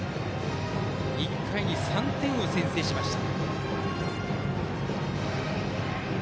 １回に３点を先制しました。